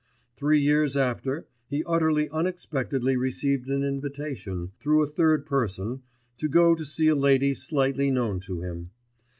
Three years after, he utterly unexpectedly received an invitation, through a third person, to go to see a lady slightly known to him.